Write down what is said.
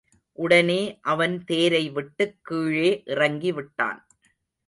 உடனே அவன் தேரை விட்டுக் கீழே இறங்கிவிட்டான்.